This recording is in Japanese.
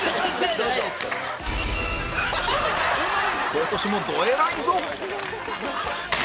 今年もどえらいぞ！